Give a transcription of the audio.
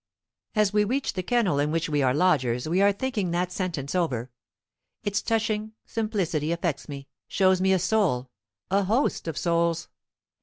As we reach the kennel in which we are lodgers, we are thinking that sentence over. Its touching simplicity affects me, shows me a soul a host of souls.